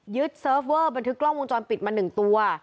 เซิร์ฟเวอร์บันทึกกล้องวงจรปิดมา๑ตัว